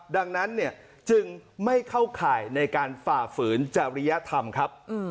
ดังนั้นจึงไม่เข้าข่ายในการฝ่าฝืนจริยธรรมครับ